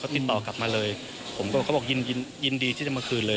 ติดต่อกลับมาเลยผมก็เขาบอกยินดีที่จะมาคืนเลย